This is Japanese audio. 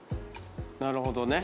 なるほどね。